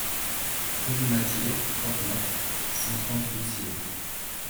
Rue du Mattier, trente-neuf, cent trente Doucier